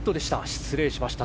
失礼しました。